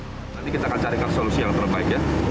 sejauh ini tidak ada masalah kendaraan